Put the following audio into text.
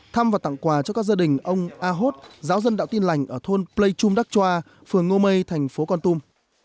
thăm và tặng quà cho các gia đình ông ahot giáo dân đạo tiên lành ở thôn plei trung đắc choa phường ngô mây thành phố con tum